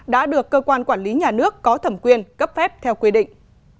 đã được cơ quan quản lý nhà nước có thẩm quyền cấp phép theo quy định